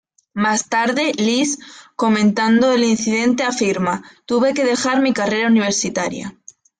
Más tarde, Lees, comentando el incidente, afirmaría: "tuve que dejar mi carrera universitaria.